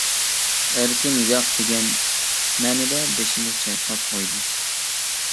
ئەركىن ياق دېگەن مەنىدە بېشىنى چايقاپ قويدى.